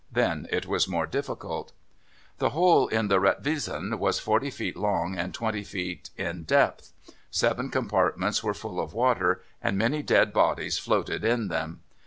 Then it was more difficult. The hole in the Retvisan was 40 feet long and 20 feet in depth. Seven compartments were full of water, and many dead bodies floated in them.